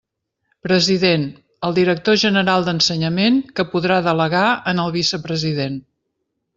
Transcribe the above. President: el director general d'Ensenyament, que podrà delegar en el vicepresident.